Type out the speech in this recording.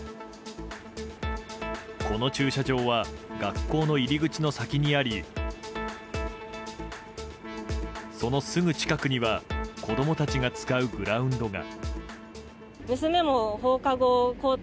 この駐車場は学校の入り口の先にありそのすぐ近くには子供たちが使うグラウンドが。